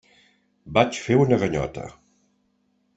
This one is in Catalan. Vaig fer una ganyota.